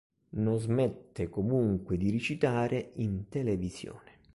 Non smette comunque di recitare in televisione.